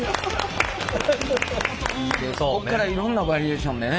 ここからいろんなバリエーションでね